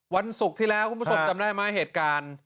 วันศุกร์ที่แล้วคุณผู้ชมจำได้ไหมเหตุการณ์